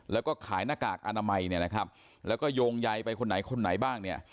แล้วก็ขายหน้ากากอนามัยเนี่ยนะครับแล้วก็โยงใยไปคนไหนคนไหนบ้างเนี่ย